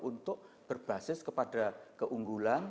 untuk berbasis kepada keunggulan